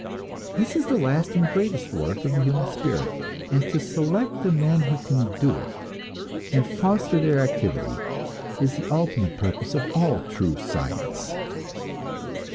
This is the last and greatest work of the human spirit, and to select the men who can do it, and foster their activity, is the ultimate purpose of all true science.